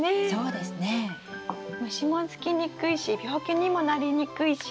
虫もつきにくいし病気にもなりにくいし